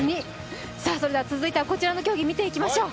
続いてはこちらの競技を見ていきましょう。